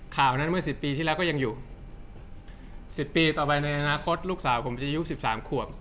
ข่าวนั้นเมื่อ๑๐ปีที่แล้วก็ยังอยู่๑๐ปีต่อไปในอนาคตลูกสาวผมจะอายุ๑๓ขวบ